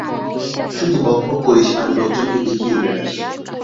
শুধু বকবক করিস আর লোকজনকে দেখিয়ে বেড়াস।